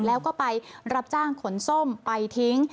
แล้วก็ไปรับจ้างขนส้มไปทิ้ง